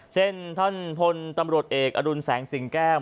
เช่นท่านพลตำรวจเอกอดุลแสงสิงแก้ว